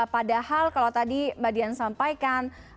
padahal kalau tadi mbak dian sampaikan